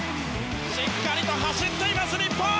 しっかりと走っています日本！